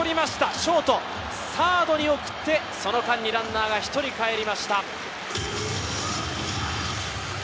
ショート、サードに送ってその間にランナーが１人かえりました。